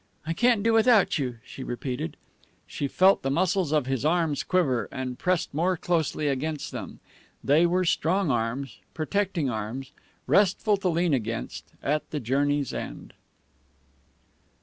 "I can't do without you," she repented. She felt the muscles of his arms quiver, and pressed more closely against them. They were strong arms, protecting arms, restful to lean against at the journey's end.